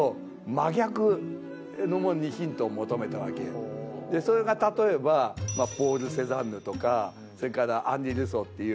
要するにでそれが例えばまあポール・セザンヌとかそれからアンリ・ルソーっていう。